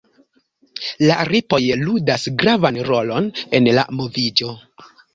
La ripoj ludas gravan rolon en la moviĝo.